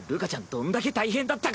どんだけ大変だったか！